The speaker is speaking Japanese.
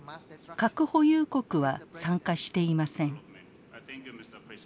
核保有国は参加していません。